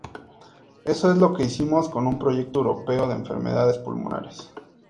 Eso es lo que hicimos con un proyecto europeo de enfermedades pulmonares.